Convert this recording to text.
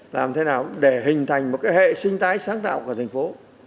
làm thế nào để hình thành một hệ sinh thái sáng tạo của thành phố